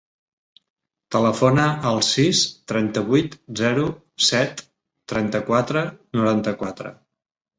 Telefona al sis, trenta-vuit, zero, set, trenta-quatre, noranta-quatre.